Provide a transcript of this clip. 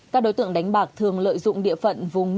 các đối tượng đánh bạc thường lợi dụng địa phận vùng nông